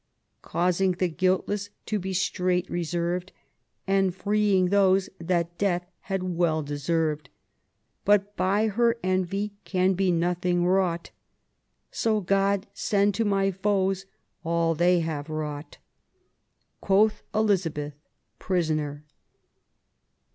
Causing the guiltless to be strait reserved And freeing those that death had well deserved But by her envy can be nothing wrought : So God send to my foes all they have wrought. Quoth Elizabeth, Prisoner.